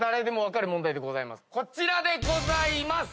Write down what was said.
こちらでございます。